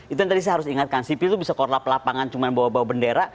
itu yang tadi saya harus ingatkan sipil itu bisa korlap lapangan cuma bawa bawa bendera